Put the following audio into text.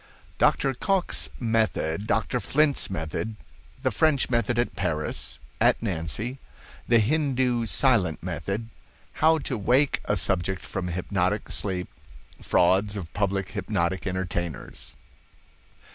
Dr. Cocke's Method—Dr. Flint's Method—The French Method at Paris—at Nancy—The Hindoo Silent Method—How to Wake a Subject from Hypnotic Sleep—Frauds of Public Hypnotic Entertainers.